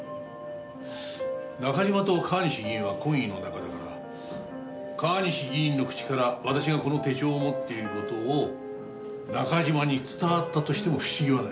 中島と川西議員は懇意の仲だから川西議員の口から私がこの手帳を持っている事を中島に伝わったとしても不思議はない。